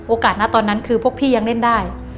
นะตอนนั้นคือพวกพี่ยังเล่นได้